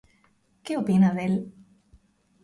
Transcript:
Que opina del?